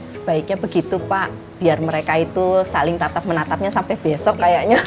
sebaiknya begitu pak biar mereka itu saling tatap menatapnya sampai besok kayaknya